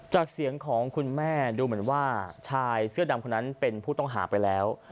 จากเสียงของคุณแม่ดูเหมือนว่าชายเสื้อดำคนนั้นเป็นผู้ต้องหาไปแล้ว